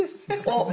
あ！